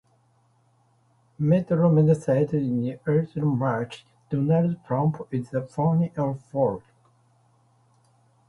Mitt Romney said in early March: Donald Trump is a phony, a fraud.